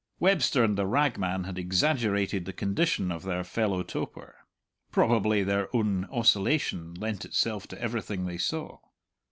Webster and the ragman had exaggerated the condition of their fellow toper. Probably their own oscillation lent itself to everything they saw.